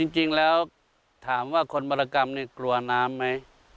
จริงแล้วถามว่าคนบรกรรมนี่กลัวน้ำไหม